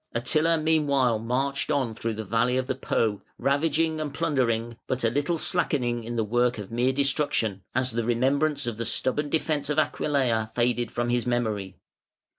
Attila meanwhile marched on through the valley of the Po ravaging and plundering, but a little slackening in the work of mere destruction, as the remembrance of the stubborn defence of Aquileia faded from his memory.